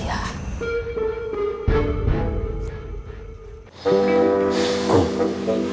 mas brai kamu mau kecemasan